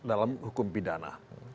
dalam hukum pidana